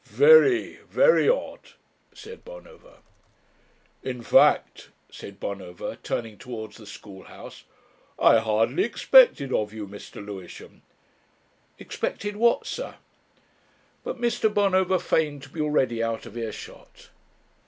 "Very very odd," said Bonover. "In fact," said Bonover, turning towards the school house, "I hardly expected it of you, Mr. Lewisham." "Expected what, sir?" But Mr. Bonover feigned to be already out of earshot.